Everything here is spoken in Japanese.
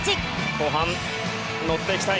後半、乗っていきたい。